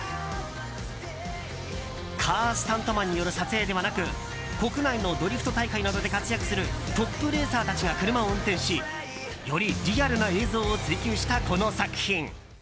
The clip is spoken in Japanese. カースタントマンによる撮影ではなく国内のドリフト大会などで活躍するトップレーサーたちが車を運転しよりリアルな映像を追求したこの作品。